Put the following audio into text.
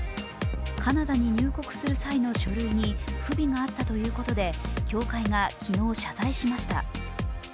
カナダに入国する際の書類に不備があったということで協会が昨日謝罪しました。